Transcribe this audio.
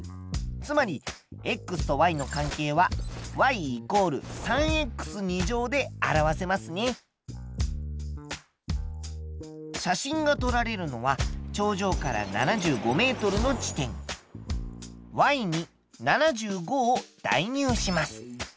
つまりとの関係は写真が撮られるのは頂上から７５ｍの地点。に７５を代入します。